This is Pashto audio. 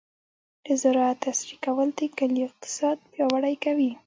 د زراعت عصري کول د کلیو اقتصاد پیاوړی کوي.